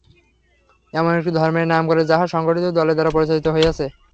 এমন একটি ধর্মের নাম কর, যাহা সংগঠিত দলের দ্বারা প্রচারিত হইয়াছে।